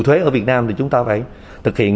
thuế ở việt nam thì chúng ta phải thực hiện